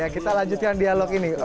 kita lanjutkan dialog ini